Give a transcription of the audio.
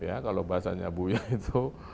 ya kalau bahasanya buya itu